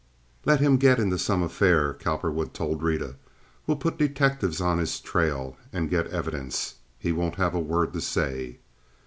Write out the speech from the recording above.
"Let him get in some affair," Cowperwood told Rita. "We'll put detectives on his trail and get evidence. He won't have a word to say."